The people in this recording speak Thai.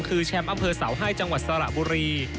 คือแชมป์อำเภอเสาไห้จังหวัดสระบุรี